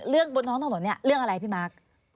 ใบสั่งบนน้องถนนนี่เรื่องอะไรพี่มาร์ค